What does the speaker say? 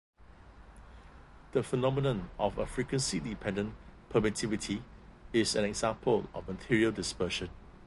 The phenomenon of a frequency-dependent permittivity is an example of material dispersion.